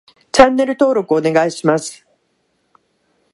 チャンネル登録お願いします